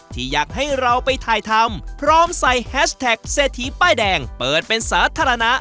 ที่อยากให้เราไปถ่ายทำพร้อมใส่แฮชแท็กเศรษฐีป้ายแดงเปิดเป็นสาธารณะ